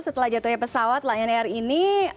setelah jatuhnya pesawat lion air ini